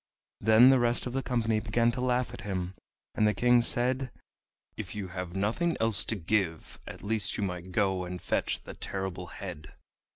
Then the rest of the company began to laugh at him, and the King said: "If you have nothing else to give, at least you might go and fetch the Terrible Head."